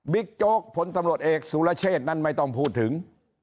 โจ๊กผลตำรวจเอกสุรเชษนั้นไม่ต้องพูดถึง